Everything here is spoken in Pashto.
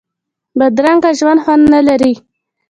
بدرنګه ژوند خوند نه لري